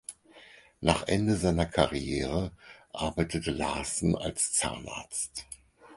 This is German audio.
Nach Ende seiner Karriere arbeitete Larson als Zahnarzt.